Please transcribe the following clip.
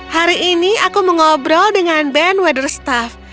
hari ini aku mengobrol dengan ben weatherstaff